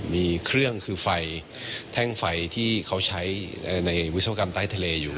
มีเครื่องคือไฟแท่งไฟที่เขาใช้ในวิศวกรรมใต้ทะเลอยู่